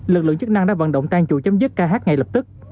lực lượng chức năng đã vận động tan chủ chấm dứt kh ngay lập tức